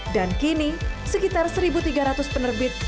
dan kini sekitar seribu tiga ratus penerbit